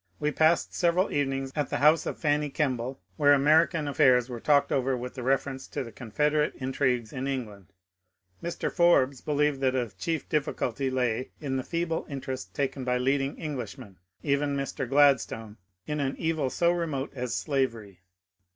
We passed several evenings at the house of Fanny Kemble, where American affairs were talked over with reference to the Con federate intrigues in England. Mr. Forbes believed that a chief difficulty lay in the feeble interest taken by leading Englishmen — even Mr. Gladstone — in an evil so remote as slavery.